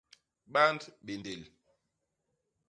Band béndél.